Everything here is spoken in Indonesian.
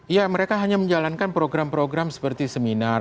ya mereka hanya menjalankan program program seperti seminar